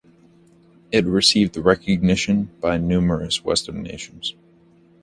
It received recognition by numerous western nations.